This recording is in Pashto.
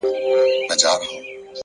هر منزل د جرئت غوښتنه کوي؛